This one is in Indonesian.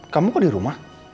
kamu kok di rumah